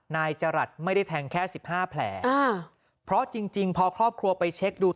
นายจรัสไม่ได้แทงแค่๑๕แผลเพราะจริงพอครอบครัวไปเช็คดู